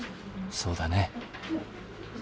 そうだね。